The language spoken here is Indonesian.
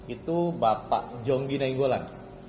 itu bapak jonggi nainggolan